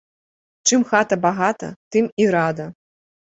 Чым хата багата, тым і рада.